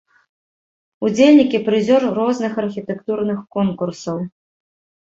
Удзельнік і прызёр розных архітэктурных конкурсаў.